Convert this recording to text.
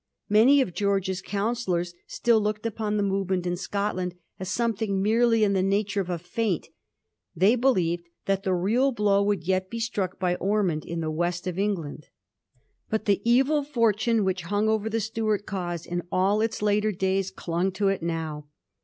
Many of George's counseHors still looked upon the movement in Scot land as something merely in the nature of a feint. They believed that the real blow would yet be struck by Ormond in the West of England. But the evil fortune which hung over the Stuart cause in all its later days clung to it now.